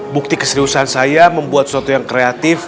bukti keseriusan saya membuat suatu yang kreatif